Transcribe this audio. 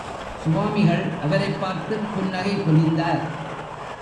சுவாமிகள் அவரைப் பார்த்துப் புன்னகை புரிந்தார்.